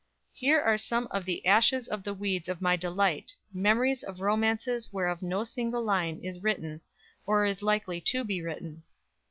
Here are some of 'the ashes of the weeds of my delight' memories of romances whereof no single line is written, or is likely to be written."